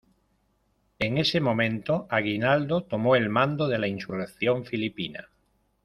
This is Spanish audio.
En ese momento, Aguinaldo tomó el mando de la insurrección filipina.